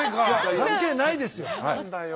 関係ないですよ。